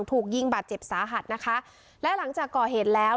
ถูกยิงบาดเจ็บสาหัสนะคะและหลังจากก่อเหตุแล้ว